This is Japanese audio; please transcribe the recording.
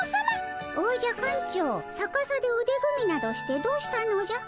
おじゃ館長さかさでうで組みなどしてどうしたのじゃ？